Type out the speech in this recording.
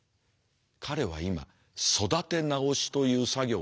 彼は今育て直しという作業のただ中だ。